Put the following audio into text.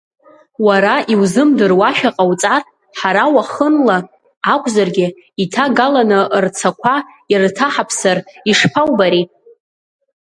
Уара иузымдыруашәа ҟауҵар, ҳара уахынла акәзаргьы иҭагаланы рцақәа ирҭаҳаԥсар ишԥаубари?